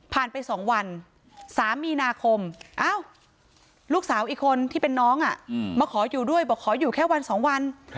ผ่านไปสองวันสามมีนาคมอ้าวลูกสาวอีกคนที่เป็นน้องอะมาขออยู่ด้วยบอกขออยู่แค่วันสองวัน